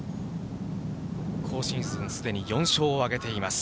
今シーズン、すでに４勝を挙げています。